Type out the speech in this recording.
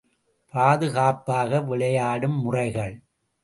பாதுகாப்பாக விளையாடும் முறைகள் ….